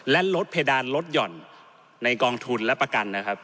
และลดเพดานลดหย่อนในกองทุนและประกันนะครับ